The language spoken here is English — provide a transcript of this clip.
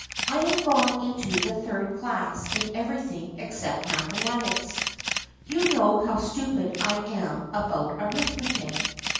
I have gone into the third class in everything except mathematics. You know how stupid I am about arithmetic.